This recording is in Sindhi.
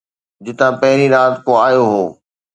جتان پھرين رات ڪو آيو ھو